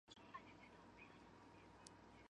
宋嘉佑六年圆寂。